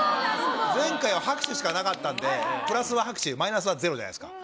前回は拍手しかなかったんで、プラスは拍手、マイナスはゼロじゃないですか。